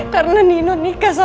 lalu aku akan merasa